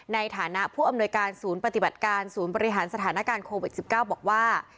ในฐานะผู้อำนวยการศูนย์ปฏิบัติการศูนย์บริหารสถานการณ์โควิด๑๙บอกว่า